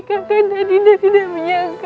kakanda dinda tidak menyangka